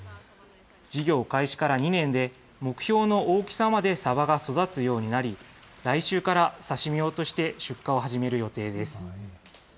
事業開始から２年で、目標の大きさまでサバが育つようになり、来週から刺身用として出荷を始める予定です。